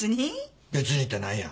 別にって何や？